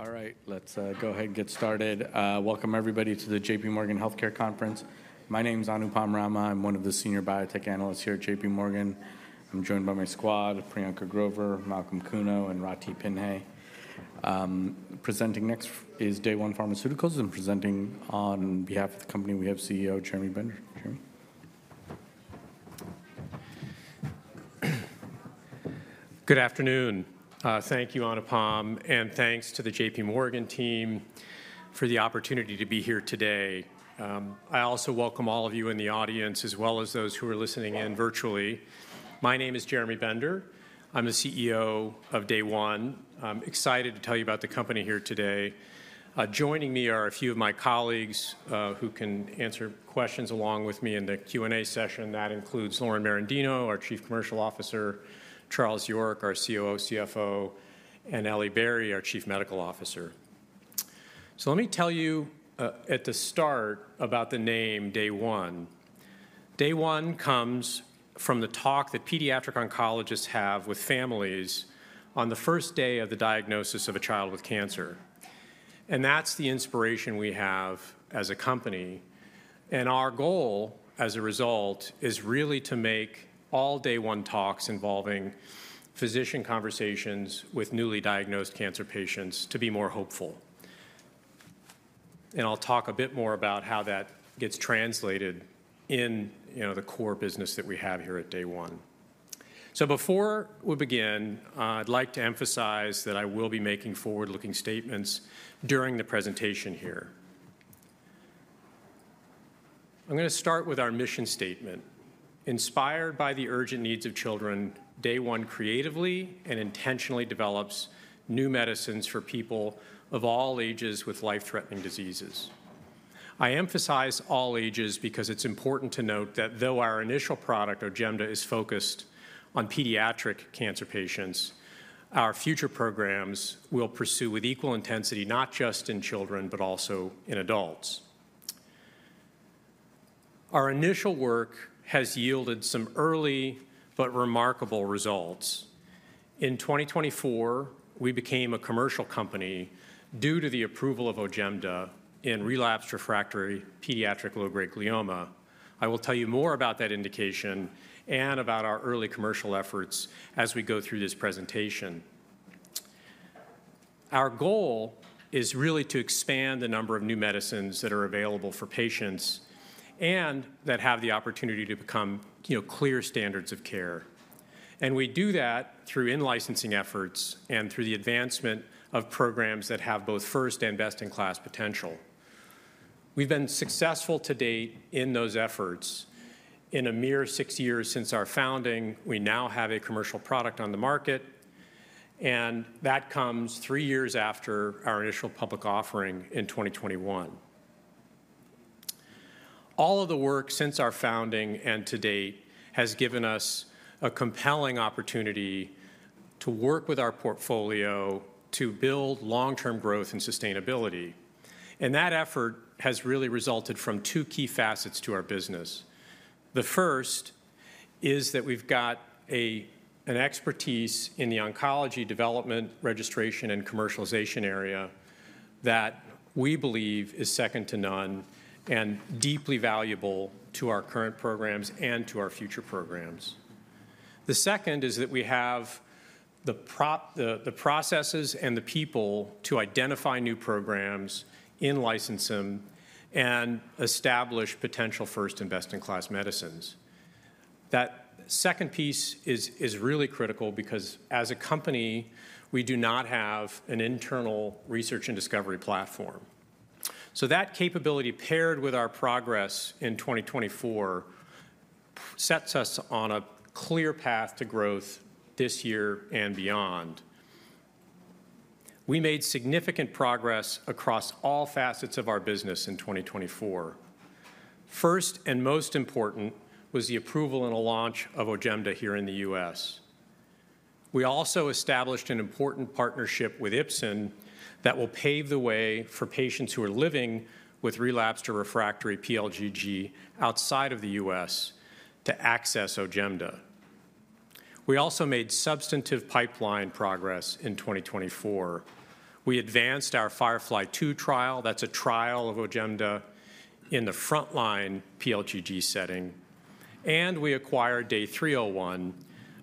All right, let's go ahead and get started. Welcome, everybody, to the J.P. Morgan Healthcare Conference. My name is Anupam Rama. I'm one of the senior biotech analysts here at J.P. Morgan. I'm joined by my squad: Priyanka Grover, Malcolm Kuno, and Ratih Pinhasi. Presenting next is Day One Pharmaceuticals. I'm presenting on behalf of the company we have CEO Jeremy Bender. Jeremy. Good afternoon. Thank you, Anupam, and thanks to the J.P. Morgan team for the opportunity to be here today. I also welcome all of you in the audience, as well as those who are listening in virtually. My name is Jeremy Bender. I'm the CEO of Day One. I'm excited to tell you about the company here today. Joining me are a few of my colleagues who can answer questions along with me in the Q&A session. That includes Lauren Merendino, our Chief Commercial Officer, Charles York, our COO/CFO, and Elly Barry, our Chief Medical Officer. So let me tell you at the start about the name Day One. Day One comes from the talk that pediatric oncologists have with families on the first day of the diagnosis of a child with cancer. And that's the inspiration we have as a company. Our goal as a result is really to make all Day One talks involving physician conversations with newly diagnosed cancer patients to be more hopeful. I'll talk a bit more about how that gets translated in the core business that we have here at Day One. Before we begin, I'd like to emphasize that I will be making forward-looking statements during the presentation here. I'm going to start with our mission statement. Inspired by the urgent needs of children, Day One creatively and intentionally develops new medicines for people of all ages with life-threatening diseases. I emphasize all ages because it's important to note that though our initial product, Ojemda, is focused on pediatric cancer patients, our future programs will pursue with equal intensity not just in children, but also in adults. Our initial work has yielded some early but remarkable results. In 2024, we became a commercial company due to the approval of Ojemda in relapsed refractory pediatric low-grade glioma. I will tell you more about that indication and about our early commercial efforts as we go through this presentation. Our goal is really to expand the number of new medicines that are available for patients and that have the opportunity to become clear standards of care, and we do that through in-licensing efforts and through the advancement of programs that have both first and best-in-class potential. We've been successful to date in those efforts. In a mere six years since our founding, we now have a commercial product on the market, and that comes three years after our initial public offering in 2021. All of the work since our founding and to date has given us a compelling opportunity to work with our portfolio to build long-term growth and sustainability. That effort has really resulted from two key facets to our business. The first is that we've got an expertise in the oncology development, registration, and commercialization area that we believe is second to none and deeply valuable to our current programs and to our future programs. The second is that we have the processes and the people to identify new programs, in-license them, and establish potential first and best-in-class medicines. That second piece is really critical because as a company, we do not have an internal research and discovery platform. So that capability, paired with our progress in 2024, sets us on a clear path to growth this year and beyond. We made significant progress across all facets of our business in 2024. First and most important was the approval and launch of Ojemda here in the U.S. We also established an important partnership with Ipsen that will pave the way for patients who are living with relapsed or refractory PLGG outside of the U.S. to access Ojemda. We also made substantive pipeline progress in 2024. We advanced our Firefly II trial. That's a trial of Ojemda in the frontline PLGG setting, and we acquired DAY301,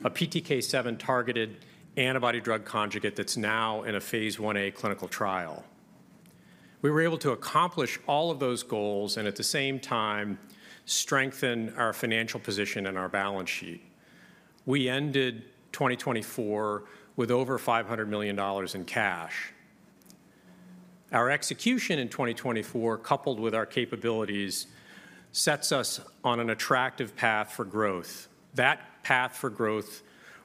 a PTK7-targeted antibody-drug conjugate that's now in a phase 1A clinical trial. We were able to accomplish all of those goals and at the same time strengthen our financial position and our balance sheet. We ended 2024 with over $500 million in cash. Our execution in 2024, coupled with our capabilities, sets us on an attractive path for growth. That path for growth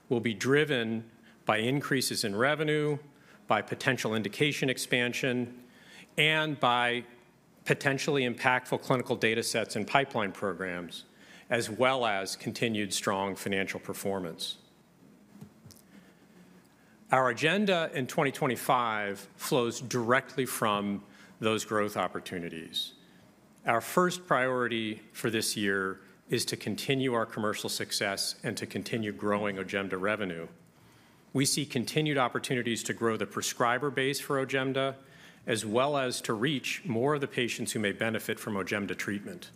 will be driven by increases in revenue, by potential indication expansion, and by potentially impactful clinical data sets and pipeline programs, as well as continued strong financial performance. Our agenda in 2025 flows directly from those growth opportunities. Our first priority for this year is to continue our commercial success and to continue growing Ojemda revenue. We see continued opportunities to grow the prescriber base for Ojemda, as well as to reach more of the patients who may benefit from Ojemda treatment.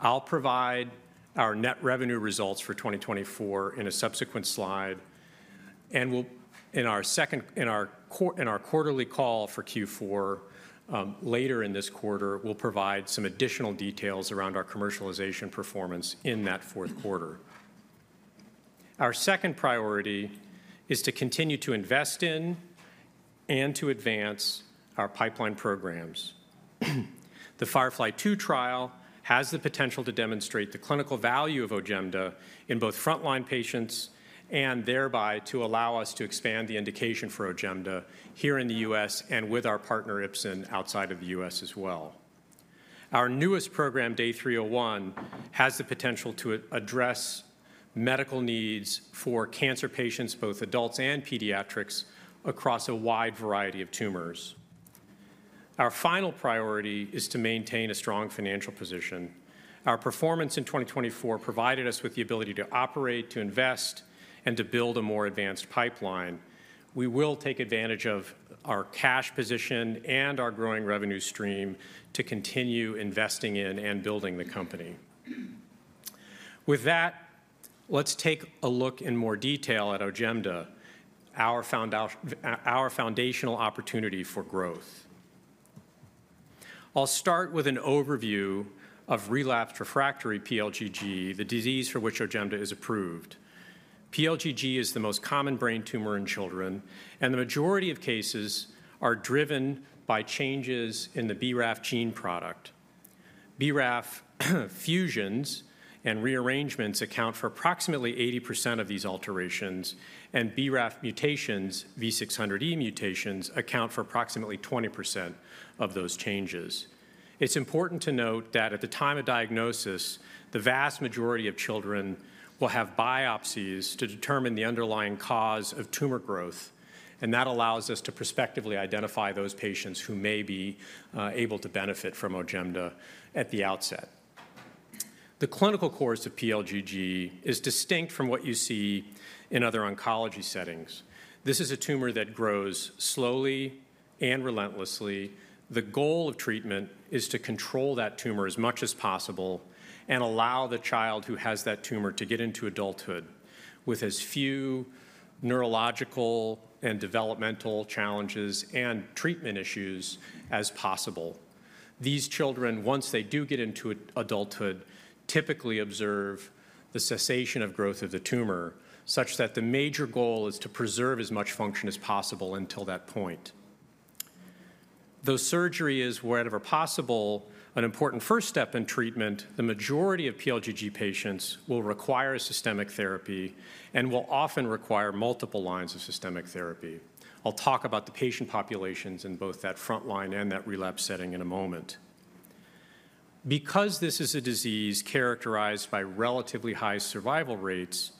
I'll provide our net revenue results for 2024 in a subsequent slide, and in our quarterly call for Q4 later in this quarter, we'll provide some additional details around our commercialization performance in that fourth quarter. Our second priority is to continue to invest in and to advance our pipeline programs. The Firefly II trial has the potential to demonstrate the clinical value of Ojemda in both frontline patients and thereby to allow us to expand the indication for Ojemda here in the U.S. and with our partner Ipsen outside of the U.S. as well. Our newest program, DAY301, has the potential to address medical needs for cancer patients, both adults and pediatric, across a wide variety of tumors. Our final priority is to maintain a strong financial position. Our performance in 2024 provided us with the ability to operate, to invest, and to build a more advanced pipeline. We will take advantage of our cash position and our growing revenue stream to continue investing in and building the company. With that, let's take a look in more detail at Ojemda, our foundational opportunity for growth. I'll start with an overview of relapsed refractory PLGG, the disease for which Ojemda is approved. PLGG is the most common brain tumor in children, and the majority of cases are driven by changes in the BRAF gene product. BRAF fusions and rearrangements account for approximately 80% of these alterations, and BRAF mutations, V600E mutations, account for approximately 20% of those changes. It's important to note that at the time of diagnosis, the vast majority of children will have biopsies to determine the underlying cause of tumor growth, and that allows us to prospectively identify those patients who may be able to benefit from Ojemda at the outset. The clinical course of PLGG is distinct from what you see in other oncology settings. This is a tumor that grows slowly and relentlessly. The goal of treatment is to control that tumor as much as possible and allow the child who has that tumor to get into adulthood with as few neurological and developmental challenges and treatment issues as possible. These children, once they do get into adulthood, typically observe the cessation of growth of the tumor, such that the major goal is to preserve as much function as possible until that point. Though surgery is, wherever possible, an important first step in treatment, the majority of PLGG patients will require systemic therapy and will often require multiple lines of systemic therapy. I'll talk about the patient populations in both that frontline and that relapse setting in a moment. Because this is a disease characterized by relatively high survival rates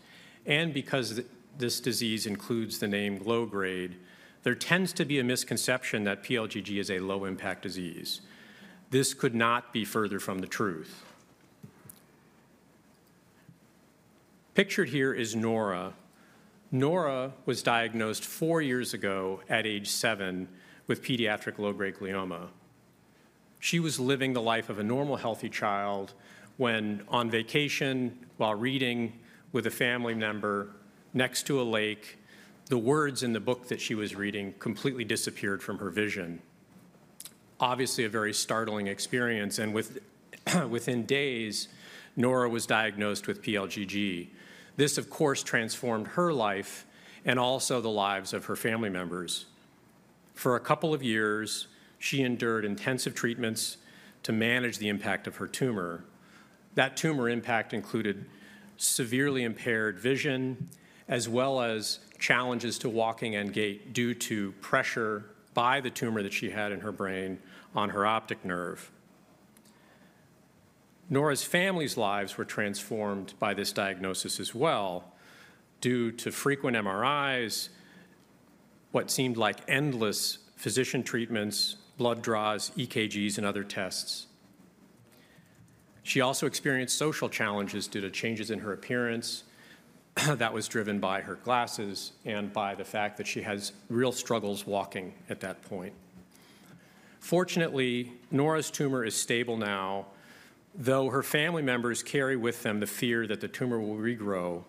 and because this disease includes the name low grade, there tends to be a misconception that PLGG is a low-impact disease. This could not be further from the truth. Pictured here is Nora. Nora was diagnosed four years ago at age seven with pediatric low-grade glioma. She was living the life of a normal, healthy child when, on vacation, while reading with a family member next to a lake, the words in the book that she was reading completely disappeared from her vision. Obviously, a very startling experience, and within days, Nora was diagnosed with PLGG. This, of course, transformed her life and also the lives of her family members. For a couple of years, she endured intensive treatments to manage the impact of her tumor. That tumor impact included severely impaired vision, as well as challenges to walking and gait due to pressure by the tumor that she had in her brain on her optic nerve. Nora's family's lives were transformed by this diagnosis as well due to frequent MRIs, what seemed like endless physician treatments, blood draws, EKGs, and other tests. She also experienced social challenges due to changes in her appearance. That was driven by her glasses and by the fact that she has real struggles walking at that point. Fortunately, Nora's tumor is stable now, though her family members carry with them the fear that the tumor will regrow,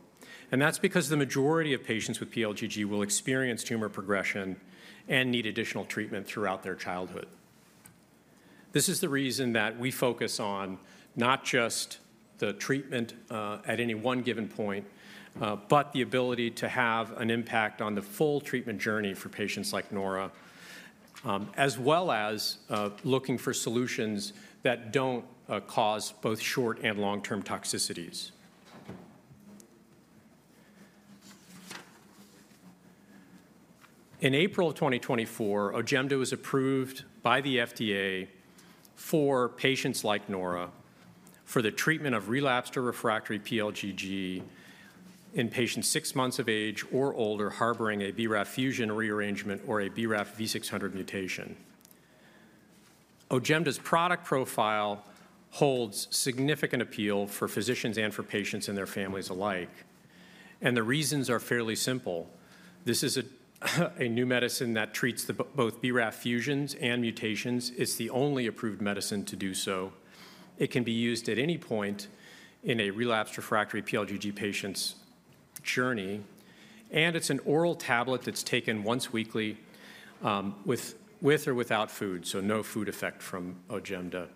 and that's because the majority of patients with PLGG will experience tumor progression and need additional treatment throughout their childhood. This is the reason that we focus on not just the treatment at any one given point, but the ability to have an impact on the full treatment journey for patients like Nora, as well as looking for solutions that don't cause both short and long-term toxicities. In April 2024, Ojemda was approved by the FDA for patients like Nora for the treatment of relapsed or refractory PLGG in patients six months of age or older harboring a BRAF fusion rearrangement or a BRAF V600 mutation. Ojemda's product profile holds significant appeal for physicians and for patients and their families alike, and the reasons are fairly simple. This is a new medicine that treats both BRAF fusions and mutations. It's the only approved medicine to do so. It can be used at any point in a relapsed refractory PLGG patient's journey, and it's an oral tablet that's taken once weekly with or without food, so no food effect from Ojemda.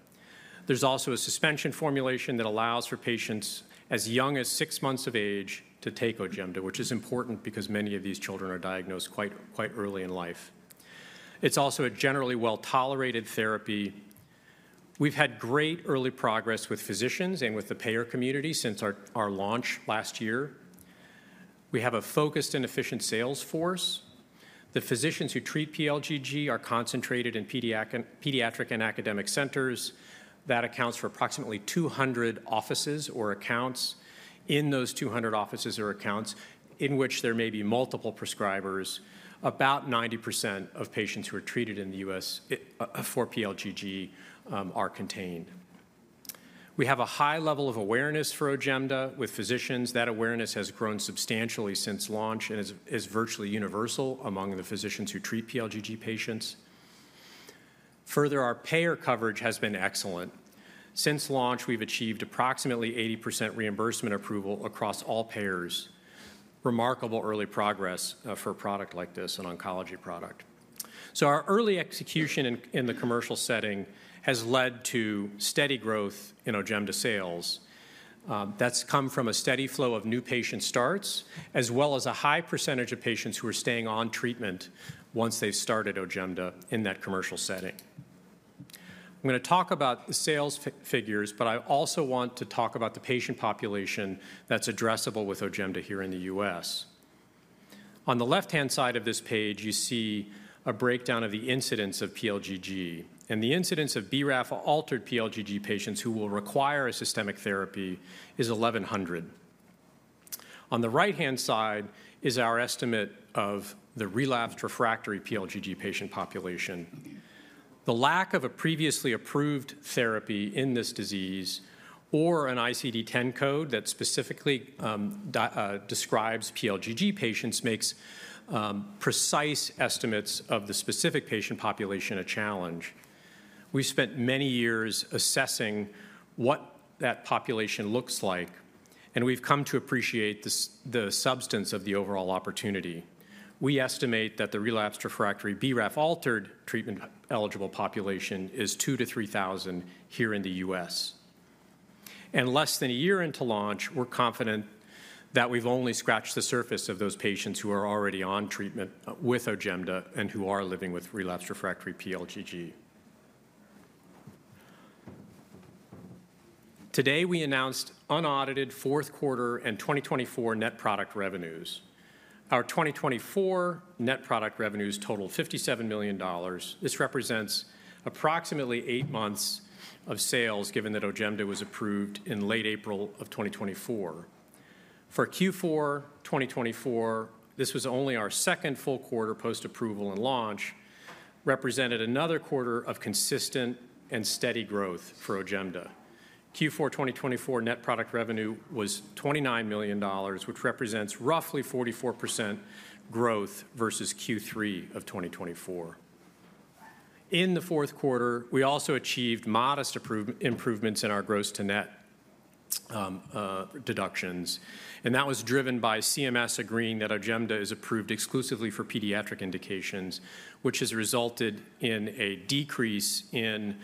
There's also a suspension formulation that allows for patients as young as six months of age to take Ojemda, which is important because many of these children are diagnosed quite early in life. It's also a generally well-tolerated therapy. We've had great early progress with physicians and with the payer community since our launch last year. We have a focused and efficient sales force. The physicians who treat PLGG are concentrated in pediatric and academic centers. That accounts for approximately 200 offices or accounts. In those 200 offices or accounts, in which there may be multiple prescribers, about 90% of patients who are treated in the U.S. for PLGG are contained. We have a high level of awareness for Ojemda with physicians. That awareness has grown substantially since launch and is virtually universal among the physicians who treat PLGG patients. Further, our payer coverage has been excellent. Since launch, we've achieved approximately 80% reimbursement approval across all payers. Remarkable early progress for a product like this, an oncology product. So our early execution in the commercial setting has led to steady growth in Ojemda sales. That's come from a steady flow of new patient starts, as well as a high percentage of patients who are staying on treatment once they've started Ojemda in that commercial setting. I'm going to talk about the sales figures, but I also want to talk about the patient population that's addressable with Ojemda here in the U.S. On the left-hand side of this page, you see a breakdown of the incidence of PLGG, and the incidence of BRAF-altered PLGG patients who will require a systemic therapy is 1,100. On the right-hand side is our estimate of the relapsed refractory PLGG patient population. The lack of a previously approved therapy in this disease or an ICD-10 code that specifically describes PLGG patients makes precise estimates of the specific patient population a challenge. We've spent many years assessing what that population looks like, and we've come to appreciate the substance of the overall opportunity. We estimate that the relapsed refractory BRAF-altered treatment-eligible population is 2,000 to 3,000 here in the U.S. And less than a year into launch, we're confident that we've only scratched the surface of those patients who are already on treatment with Ojemda and who are living with relapsed refractory PLGG. Today, we announced unaudited fourth quarter and 2024 net product revenues. Our 2024 net product revenues total $57 million. This represents approximately eight months of sales, given that Ojemda was approved in late April of 2024. For Q4 2024, this was only our second full quarter post-approval and launch, represented another quarter of consistent and steady growth for Ojemda. Q4 2024 net product revenue was $29 million, which represents roughly 44% growth versus Q3 of 2024. In the fourth quarter, we also achieved modest improvements in our gross-to-net deductions. And that was driven by CMS agreeing that Ojemda is approved exclusively for pediatric indications, which has resulted in a decrease in the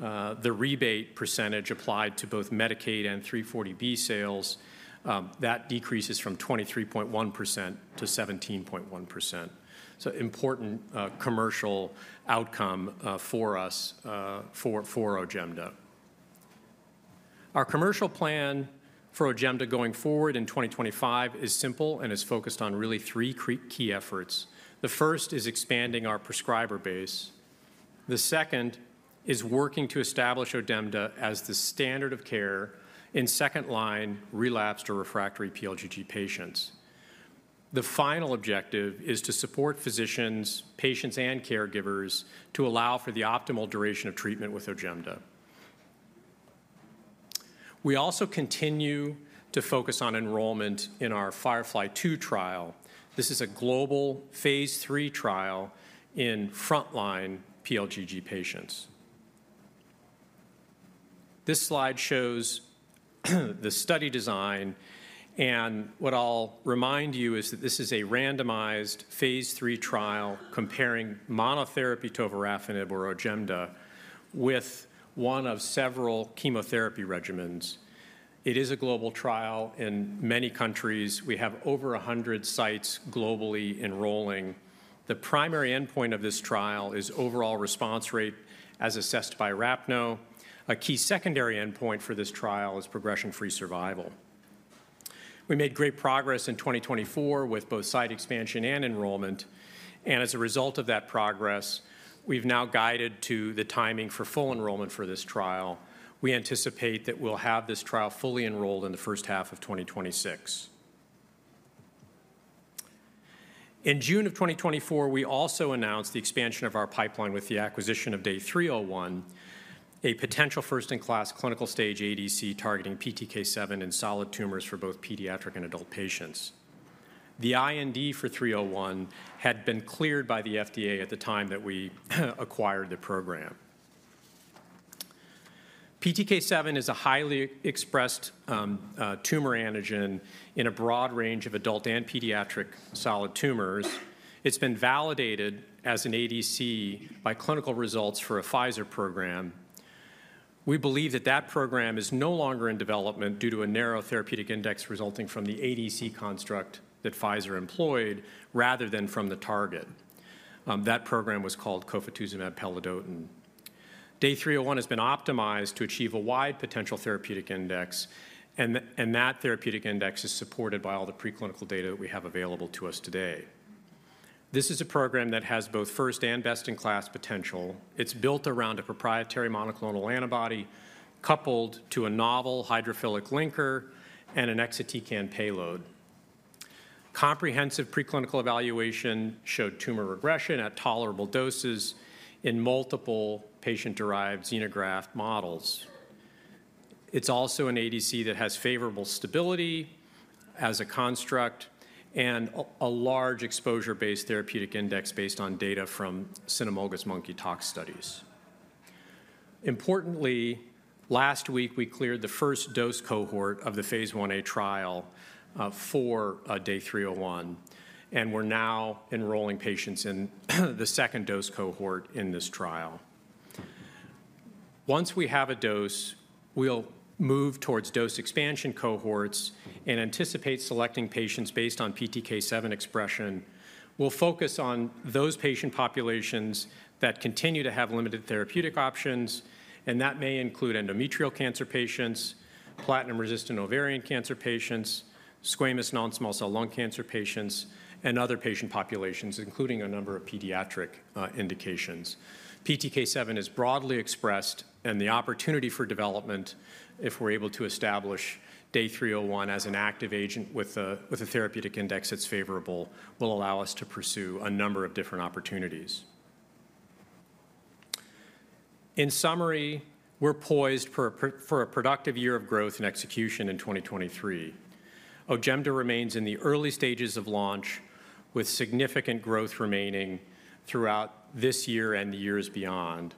rebate percentage applied to both Medicaid and 340B sales. That decrease is from 23.1% to 17.1%. So important commercial outcome for us for Ojemda. Our commercial plan for Ojemda going forward in 2025 is simple and is focused on really three key efforts. The first is expanding our prescriber base. The second is working to establish Ojemda as the standard of care in second-line relapsed or refractory PLGG patients. The final objective is to support physicians, patients, and caregivers to allow for the optimal duration of treatment with Ojemda. We also continue to focus on enrollment in our Firefly II trial. This is a global phase three trial in frontline PLGG patients. This slide shows the study design, and what I'll remind you is that this is a randomized phase 3 trial comparing monotherapy tovorafenib or Ojemda with one of several chemotherapy regimens. It is a global trial in many countries. We have over 100 sites globally enrolling. The primary endpoint of this trial is overall response rate as assessed by RAPNO. A key secondary endpoint for this trial is progression-free survival. We made great progress in 2024 with both site expansion and enrollment, and as a result of that progress, we've now guided to the timing for full enrollment for this trial. We anticipate that we'll have this trial fully enrolled in the first half of 2026. In June of 2024, we also announced the expansion of our pipeline with the acquisition of DAY301, a potential first-in-class clinical stage ADC targeting PTK7 in solid tumors for both pediatric and adult patients. The IND for 301 had been cleared by the FDA at the time that we acquired the program. PTK7 is a highly expressed tumor antigen in a broad range of adult and pediatric solid tumors. It's been validated as an ADC by clinical results for a Pfizer program. We believe that that program is no longer in development due to a narrow therapeutic index resulting from the ADC construct that Pfizer employed rather than from the target. That program was called cofetuzumab pelidotin. DAY301 has been optimized to achieve a wide potential therapeutic index. And that therapeutic index is supported by all the preclinical data that we have available to us today. This is a program that has both first and best-in-class potential. It's built around a proprietary monoclonal antibody coupled to a novel hydrophilic linker and an exatecan payload. Comprehensive preclinical evaluation showed tumor regression at tolerable doses in multiple patient-derived xenograft models. It's also an ADC that has favorable stability as a construct and a large exposure-based therapeutic index based on data from cynomolgus monkey tox studies. Importantly, last week, we cleared the first dose cohort of the phase one A trial for DAY301. And we're now enrolling patients in the second dose cohort in this trial. Once we have a dose, we'll move towards dose expansion cohorts and anticipate selecting patients based on PTK7 expression. We'll focus on those patient populations that continue to have limited therapeutic options. And that may include endometrial cancer patients, platinum-resistant ovarian cancer patients, squamous non-small cell lung cancer patients, and other patient populations, including a number of pediatric indications. PTK7 is broadly expressed. And the opportunity for development, if we're able to establish DAY301 as an active agent with a therapeutic index that's favorable, will allow us to pursue a number of different opportunities. In summary, we're poised for a productive year of growth and execution in 2023. OJEMDA remains in the early stages of launch with significant growth remaining throughout this year and the years beyond.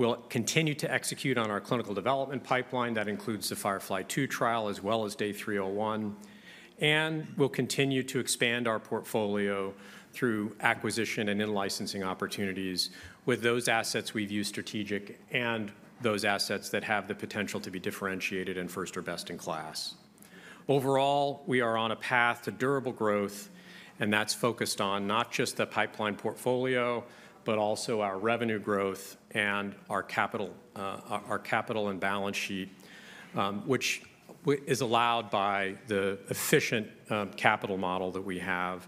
We'll continue to execute on our clinical development pipeline. That includes the FIREFLY-2 trial as well as DAY301. And we'll continue to expand our portfolio through acquisition and in-licensing opportunities with those assets we've used strategic and those assets that have the potential to be differentiated in first or best-in-class. Overall, we are on a path to durable growth, and that's focused on not just the pipeline portfolio, but also our revenue growth and our capital and balance sheet, which is allowed by the efficient capital model that we have,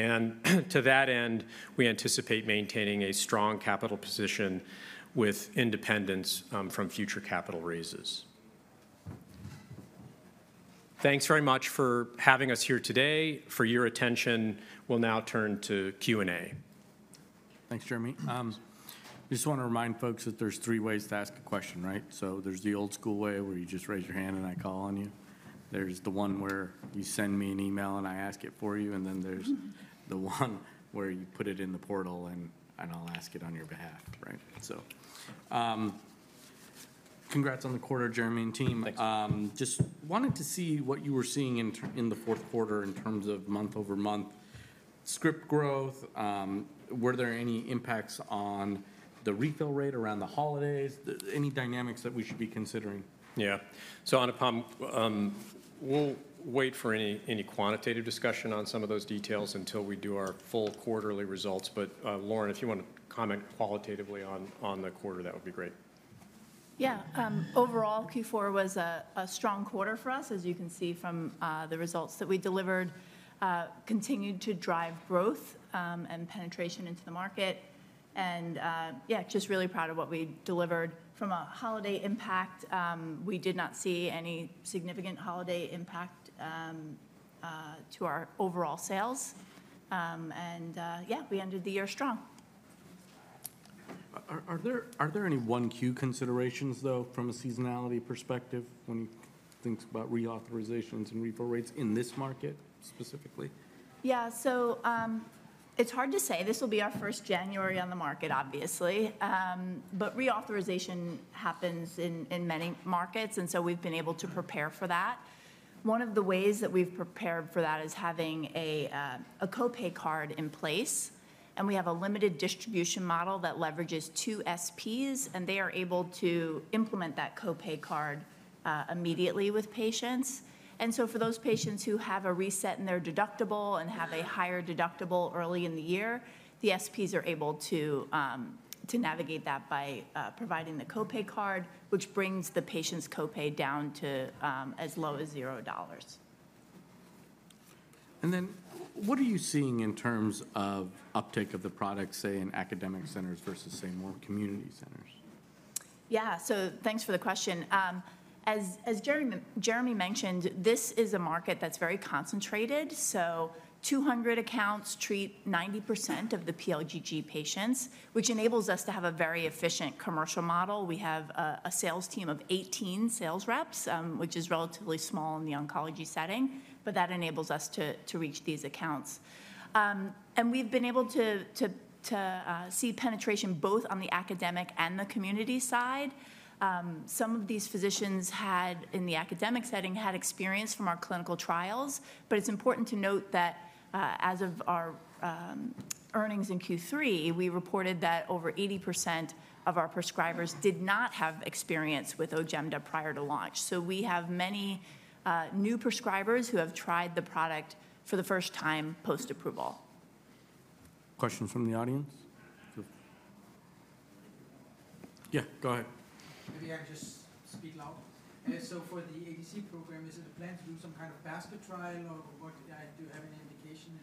and to that end, we anticipate maintaining a strong capital position with independence from future capital raises. Thanks very much for having us here today. For your attention, we'll now turn to Q&A. Thanks, Jeremy. I just want to remind folks that there's three ways to ask a question, right? So there's the old-school way where you just raise your hand and I call on you. There's the one where you send me an email and I ask it for you. And then there's the one where you put it in the portal and I'll ask it on your behalf, right? So congrats on the quarter, Jeremy and team. Just wanted to see what you were seeing in the fourth quarter in terms of month-over-month script growth. Were there any impacts on the refill rate around the holidays? Any dynamics that we should be considering? Yeah. So, upfront, we'll wait for any quantitative discussion on some of those details until we do our full quarterly results. But Lauren, if you want to comment qualitatively on the quarter, that would be great. Yeah. Overall, Q4 was a strong quarter for us, as you can see from the results that we delivered. Continued to drive growth and penetration into the market. And yeah, just really proud of what we delivered. From a holiday impact, we did not see any significant holiday impact to our overall sales. And yeah, we ended the year strong. Are there any 340B considerations, though, from a seasonality perspective when you think about reauthorizations and refill rates in this market specifically? Yeah. So it's hard to say. This will be our first January on the market, obviously, but reauthorization happens in many markets, and so we've been able to prepare for that. One of the ways that we've prepared for that is having a copay card in place, and we have a limited distribution model that leverages two SPs, and they are able to implement that copay card immediately with patients, and so for those patients who have a reset in their deductible and have a higher deductible early in the year, the SPs are able to navigate that by providing the copay card, which brings the patient's copay down to as low as $0. And then what are you seeing in terms of uptake of the product, say, in academic centers versus, say, more community centers? Yeah. So thanks for the question. As Jeremy mentioned, this is a market that's very concentrated. So 200 accounts treat 90% of the PLGG patients, which enables us to have a very efficient commercial model. We have a sales team of 18 sales reps, which is relatively small in the oncology setting. But that enables us to reach these accounts. And we've been able to see penetration both on the academic and the community side. Some of these physicians in the academic setting had experience from our clinical trials. But it's important to note that as of our earnings in Q3, we reported that over 80% of our prescribers did not have experience with Ojemda prior to launch. So we have many new prescribers who have tried the product for the first time post-approval. Question from the audience? Yeah, go ahead. Maybe I'll just speak loud. So for the ADC program, is it a plan to do some kind of basket trial or do you have any indication?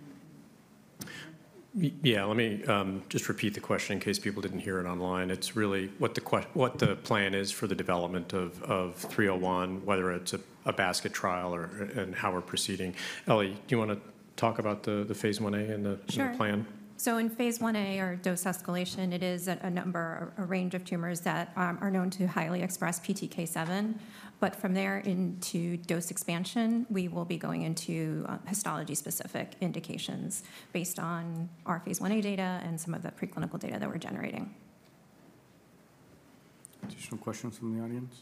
Yeah, let me just repeat the question in case people didn't hear it online. It's really what the plan is for the development of 301, whether it's a basket trial and how we're proceeding. Elly, do you want to talk about the phase one A and the plan? Sure, so in phase one A, our dose escalation, it is a number, a range of tumors that are known to highly express PTK7, but from there into dose expansion, we will be going into histology-specific indications based on our phase one A data and some of the preclinical data that we're generating. Additional questions from the audience?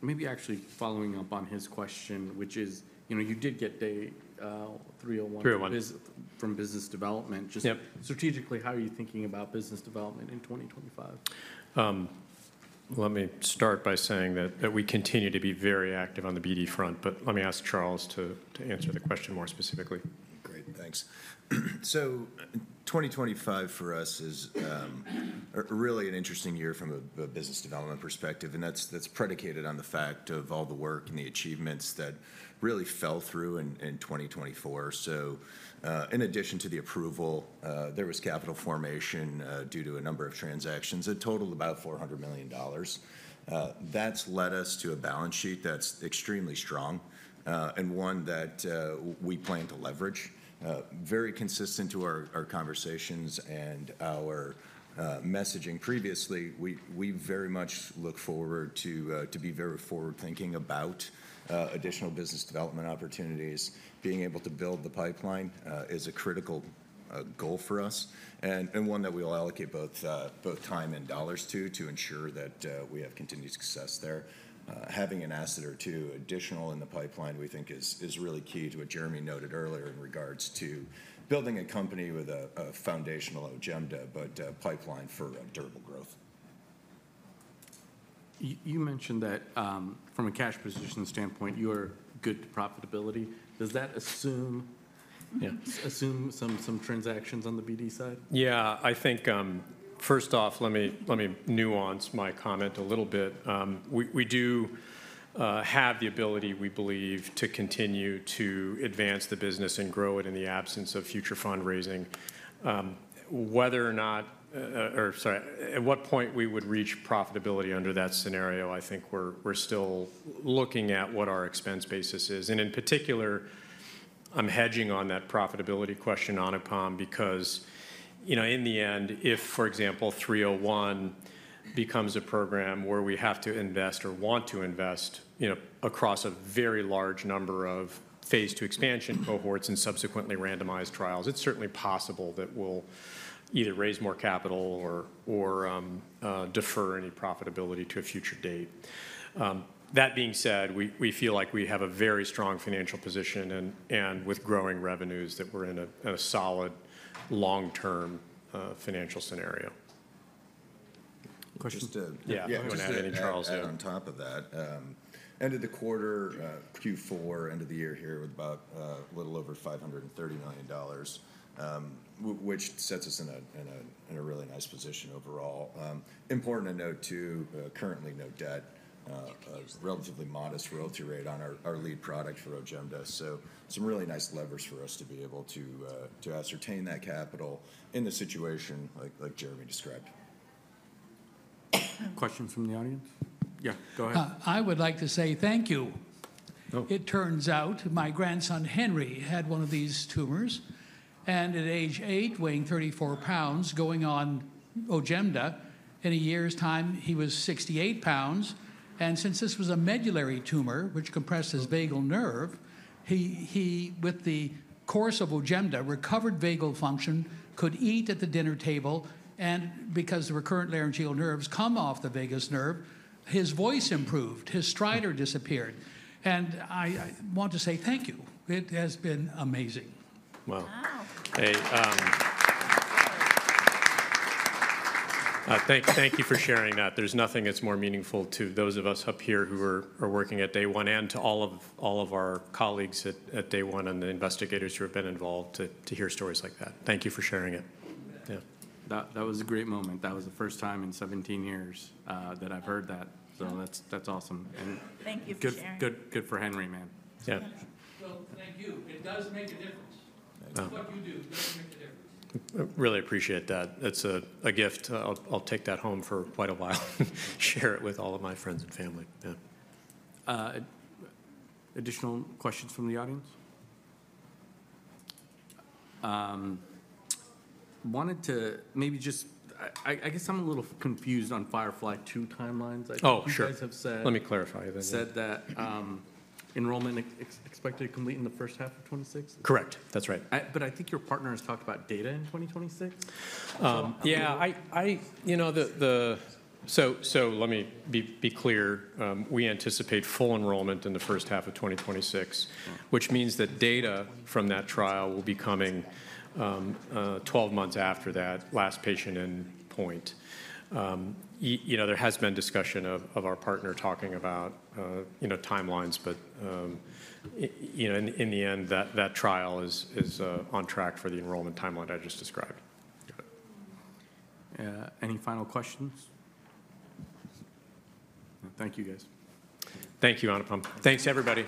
Maybe actually following up on his question, which is, you did get DAY301 from business development. Just strategically, how are you thinking about business development in 2025? Let me start by saying that we continue to be very active on the BD front, but let me ask Charles to answer the question more specifically. Great. Thanks, so 2025 for us is really an interesting year from a business development perspective, and that's predicated on the fact of all the work and the achievements that really fell through in 2024, so in addition to the approval, there was capital formation due to a number of transactions that totaled about $400 million. That's led us to a balance sheet that's extremely strong and one that we plan to leverage. Very consistent to our conversations and our messaging previously, we very much look forward to being very forward-thinking about additional business development opportunities. Being able to build the pipeline is a critical goal for us and one that we will allocate both time and dollars to to ensure that we have continued success there. Having an asset or two additional in the pipeline, we think, is really key to what Jeremy noted earlier in regards to building a company with a foundational Ojemda, but a pipeline for durable growth. You mentioned that from a cash position standpoint, you are good to profitability. Does that assume some transactions on the BD side? Yeah. I think, first off, let me nuance my comment a little bit. We do have the ability, we believe, to continue to advance the business and grow it in the absence of future fundraising. Whether or not, or sorry, at what point we would reach profitability under that scenario, I think we're still looking at what our expense basis is. And in particular, I'm hedging on that profitability question on a pump because in the end, if, for example, 301 becomes a program where we have to invest or want to invest across a very large number of phase two expansion cohorts and subsequently randomized trials, it's certainly possible that we'll either raise more capital or defer any profitability to a future date. That being said, we feel like we have a very strong financial position and with growing revenues that we're in a solid long-term financial scenario. Questions? Yeah. I want to add anything Charles there on top of that. End of the quarter, Q4, end of the year here with about a little over $530 million, which sets us in a really nice position overall. Important to note too, currently no debt, relatively modest royalty rate on our lead product for Ojemda. So some really nice levers for us to be able to access that capital in the situation like Jeremy described. Questions from the audience? Yeah, go ahead. I would like to say thank you. It turns out my grandson Henry had one of these tumors. And at age eight, weighing 34 pounds, going on Ojemda, in a year's time, he was 68 pounds. And since this was a medullary tumor, which compressed his vagal nerve, he, with the course of Ojemda, recovered vagal function, could eat at the dinner table. And because the recurrent laryngeal nerves come off the vagus nerve, his voice improved. His stridor disappeared. And I want to say thank you. It has been amazing. Wow. Wow. Hey. Thank you for sharing that. There's nothing that's more meaningful to those of us up here who are working at Day One and to all of our colleagues at Day One and the investigators who have been involved to hear stories like that. Thank you for sharing it. Yeah. That was a great moment. That was the first time in 17 years that I've heard that. So that's awesome. Thank you for sharing. Good for Henry, man. Yeah. Thank you. It does make a difference. It's what you do. It does make a difference. Really appreciate that. It's a gift. I'll take that home for quite a while. Share it with all of my friends and family. Yeah. Additional questions from the audience? Wanted to maybe just, I guess I'm a little confused on Firefly II timelines. I think you guys have said. Oh, sure. Let me clarify. Said that enrollment expected to complete in the first half of 2026. Correct. That's right. But I think your partner has talked about data in 2026. Yeah. So let me be clear. We anticipate full enrollment in the first half of 2026, which means that data from that trial will be coming 12 months after that last patient end point. There has been discussion of our partner talking about timelines. But in the end, that trial is on track for the enrollment timeline I just described. Any final questions? Thank you, guys. Thank you, Anupam. Thanks, everybody.